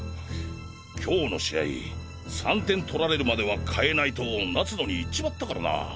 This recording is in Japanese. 今日の試合３点取られるまでは代えないと夏野に言っちまったからな。